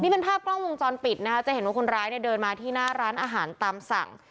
เป็นภาพกล้องวงจรปิดนะคะจะเห็นว่าคนร้ายเนี่ยเดินมาที่หน้าร้านอาหารตามสั่ง